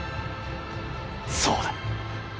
そうだ。